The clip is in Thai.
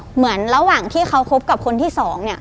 เหมือนระหว่างที่เขาคบกับคนที่สองเนี่ย